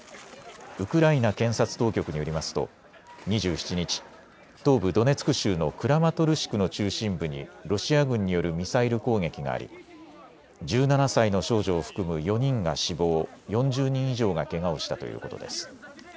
ウクライナ検察当局によりますと２７日、東部ドネツク州のクラマトルシクの中心部にロシア軍によるミサイル攻撃があり１７歳の少女を含む４人が死亡、４０人以上がけがをしたということです。